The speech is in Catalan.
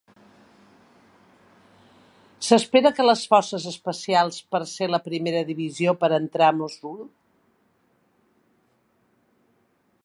S'espera que les forces especials per ser la primera divisió per entrar a Mossul.